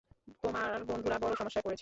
তোমার বন্ধুরা বড় সমস্যায় পড়েছে।